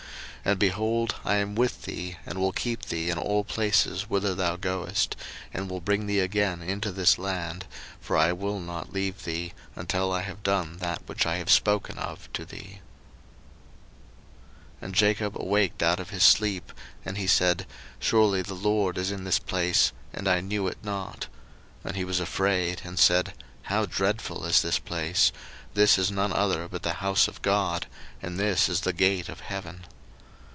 01:028:015 And, behold, I am with thee, and will keep thee in all places whither thou goest, and will bring thee again into this land; for I will not leave thee, until I have done that which I have spoken to thee of. 01:028:016 And Jacob awaked out of his sleep, and he said, Surely the LORD is in this place; and I knew it not. 01:028:017 And he was afraid, and said, How dreadful is this place! this is none other but the house of God, and this is the gate of heaven.